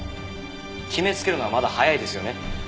決めつけるのはまだ早いですよね。